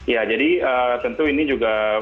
ya jadi tentu ini juga